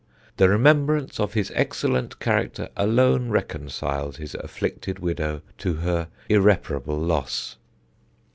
The remembrance of his excellent character alone reconciles his afflicted widow to her irreparable loss.